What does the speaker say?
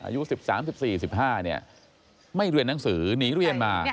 อายุ๑๓๑๔๑๕ไม่เรียนหนังสือหนีเรียนมา